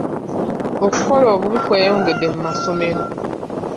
Okukola obubi kweyongedde mu masomero.